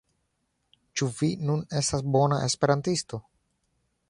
Ĉu vi nun estas bona Esperantisto?